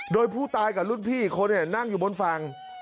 โดยผู้ตายกับรุ่นพี่อีกคนนั่งอยู่บนฝั่ง